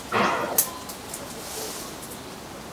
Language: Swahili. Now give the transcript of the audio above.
Yapo matumizi mengi ya viazi lishe